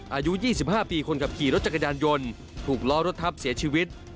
อายุ๒๕ปีคนขับขี่รถจักรยานยนต์ถูกล้อรถทับเสียชีวิต